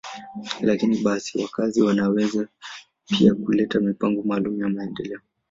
Lakini basi, wakazi wanaweza pia kuleta mipango maalum ya maendeleo.